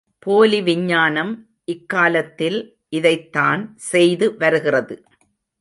போலி விஞ்ஞானம் இக்காலத்தில் இதைத்தான் செய்து வருகிறது.